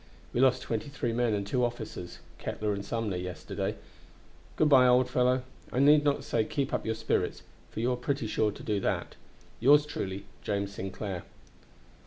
We lost twenty three men and two officers (Ketler and Sumner) yesterday. Good by, old fellow! I need not say keep up your spirits, for that you are pretty sure to do. "Yours truly, "James Sinclair."